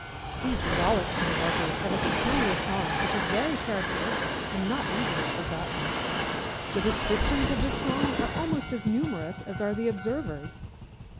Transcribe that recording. These rollicksome Warblers have a peculiar song which is very characteristic and not easily forgotten. The descriptions of this song are almost as numerous as are the observers.